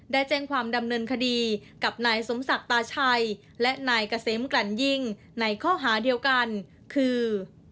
ได้แจ้งความดำเนินคดีกับนายสมศักดิ์ตาชัยและนายเกษมกลั่นยิ่งในข้อหาเดียวกันคือ